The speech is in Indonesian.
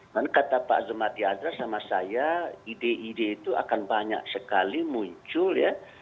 dan kata pak zuma diadra sama saya ide ide itu akan banyak sekali muncul ya